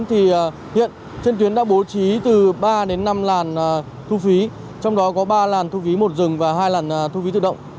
thì hiện trên tuyến đã bố trí từ ba đến năm làn thu phí trong đó có ba làn thu phí một dừng và hai làn thu phí tự động